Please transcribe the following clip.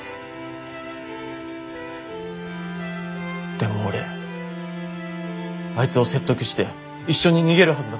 でも俺あいつを説得して一緒に逃げるはずだった。